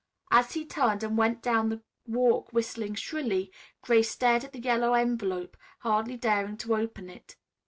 As he turned and went down the walk whistling shrilly, Grace stared at the yellow envelope, hardly daring to open it.